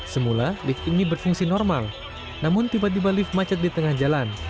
semula lift ini berfungsi normal namun tiba tiba lift macet di tengah jalan